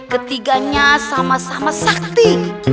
ketiganya sama sama sakti